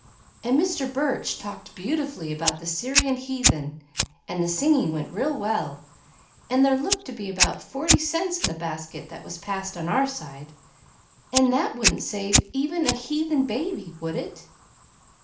And Mr. Burch talked beautifully about the Syrian heathen, and the singing went real well, and there looked to be about forty cents in the basket that was passed on our side. And that wouldn't save even a heathen baby, would it?